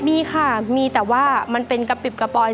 มีค่ะมีแต่ว่ามันเป็นกระปิบกระป๋อย